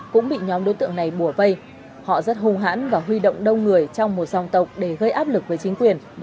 cũng bị nhóm đối tượng này bùa vây họ rất hung hãn và huy động đông người trong một dòng tộc để gây áp lực với chính quyền